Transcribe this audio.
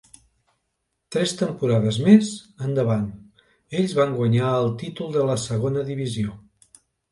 Tres temporades més endavant, ells van guanyar el títol de la segona divisió.